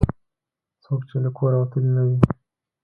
څوک چې له کوره وتلي نه وي.